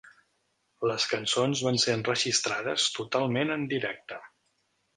Les cançons van ser enregistrades totalment en directe.